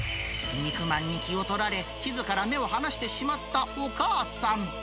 肉まんに気を取られ、地図から目を離してしまったお母さん。